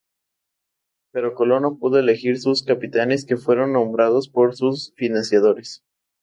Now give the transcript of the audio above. Pero Colón no pudo elegir a sus capitanes, que fueron nombrados por sus financiadores.